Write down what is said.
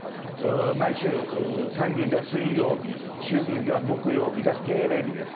毎週参議院では水曜日、衆議院では木曜日が定例日です。